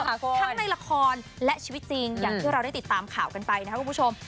ทั้งในละครและชีวิตจริงอย่างที่เราได้ติดตามข่าวกันไปนะครับคุณผู้ชม